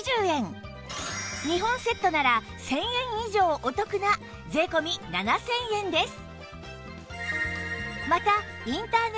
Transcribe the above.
２本セットなら１０００円以上お得な税込７０００円です